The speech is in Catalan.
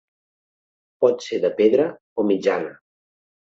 Pot ser de pedra o mitjana.